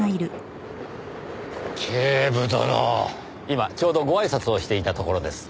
今ちょうどご挨拶をしていたところです。